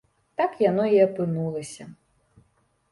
Так яно і апынулася.